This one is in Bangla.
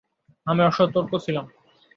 আমি অসতর্ক ছিলাম।